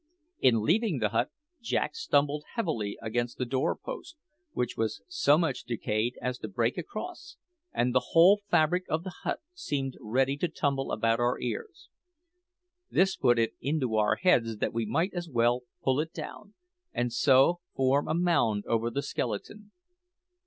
In leaving the hut, Jack stumbled heavily against the door post, which was so much decayed as to break across, and the whole fabric of the hut seemed ready to tumble about our ears. This put it into our heads that we might as well pull it down, and so form a mound over the skeleton.